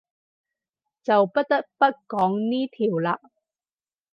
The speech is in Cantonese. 就不得不講呢條喇